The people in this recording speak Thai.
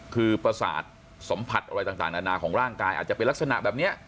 คือประสาทสัมผัสอะไรต่างนานาของร่างกายอาจจะเป็นลักษณะแบบนี้